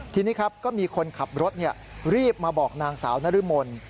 ทีนี้ครับก็มีคนขับรถรีบมาบอกนางสาวนรมน